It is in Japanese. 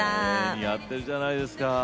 似合ってるじゃないですか。